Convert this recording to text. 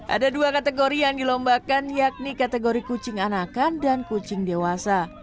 ada dua kategori yang dilombakan yakni kategori kucing anakan dan kucing dewasa